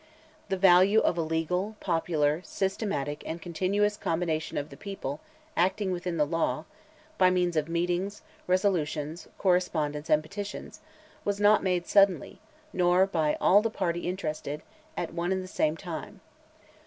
The value of a legal, popular, systematic, and continuous combination of "the people" acting within the law, by means of meetings, resolutions, correspondence, and petitions, was not made suddenly, nor by all the party interested, at one and the same time.